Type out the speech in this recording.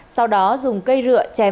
sau đó dùng cây rượa chém